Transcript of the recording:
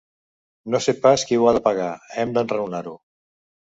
No sé pas qui ho ha de pagar: hem d'enraonar-ho.